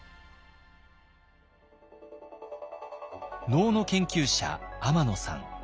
能の研究者天野さん。